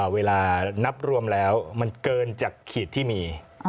เวลานับรวมแล้วมันเกินจากขีดที่มี